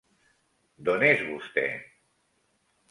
Don és vostè?